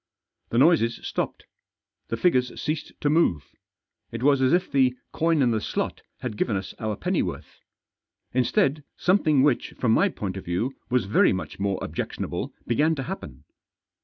The noises stopped ; the figures ceased to move ; it was as if the coin in the slot had given us our pennyworth. Instead, something which, from my point of view, was very much more objectionable began to happen.